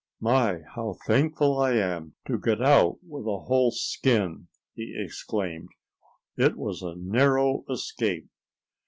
"My, how thankful I am to get out with a whole skin!" he exclaimed. "It was a narrow escape."